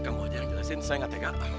kamu jangan jelasin saya gak tega